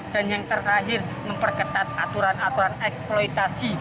dan yang terakhir memperketat aturan aturan eksploitasi